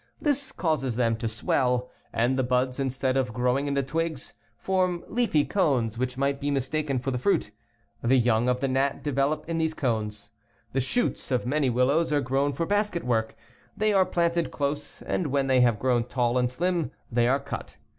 This causes them to swell, and the buds instead of growing into twigs, form leafy cones which might be mistaken for the fruit. The young of the gnat develop in these cones. The shoots of many willows are grown for basket work. They are planted close and when they have grown tall and slim they are cut.